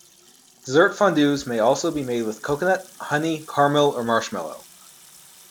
Dessert fondues may also be made with coconut, honey, caramel, or marshmallow.